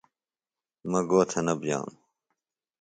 مہ گو تھےۡ نہ بئانوۡ۔